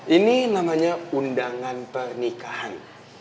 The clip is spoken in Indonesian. ini namanya undangan pernikahan